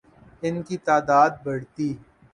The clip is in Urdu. ان کی تعداد بڑھتی